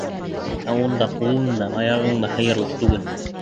Ә унда ҡулың да, аяғың да һыйырлыҡ түгел.